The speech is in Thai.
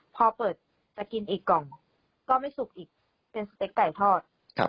พอเปิดจะกินอีกกล่องก็ไม่สุกอีกเป็นสเต็กไก่ทอด